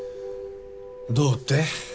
どうって？